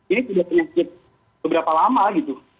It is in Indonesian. ini sudah penyakit beberapa lama gitu